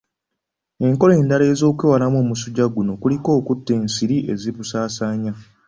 Enkola endala ez'okwewalamu omusujja guno, kuliko okutta ensiri ezibusaasaanya